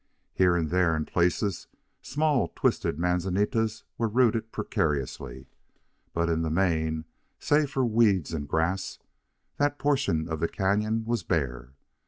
Here and there, in places, small twisted manzanitas were rooted precariously, but in the main, save for weeds and grass, that portion of the canon was bare.